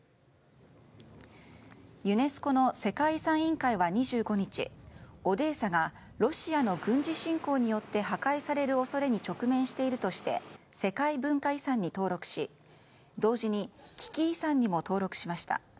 ユネスコの世界遺産委員会は２５日オデーサがロシアの軍事侵攻によって破壊される恐れに直面しているとして世界文化遺産に登録し同時に危機遺産にも登録しました。